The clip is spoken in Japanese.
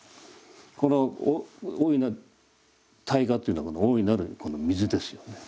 この大いなる大我っていうのは大いなるこの水ですよね。